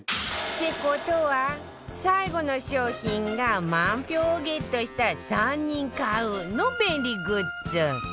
って事は最後の商品が満票をゲットした３人「買う」の便利グッズ